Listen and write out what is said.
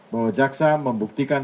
bahwa jaksa membuktikan